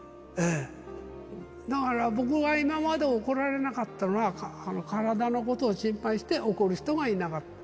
だから僕は今まで怒られなかったのは体のことを心配して怒る人がいなかった。